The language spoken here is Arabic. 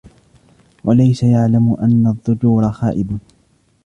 وَلَيْسَ يَعْلَمُ أَنَّ الضَّجُورَ خَائِبٌ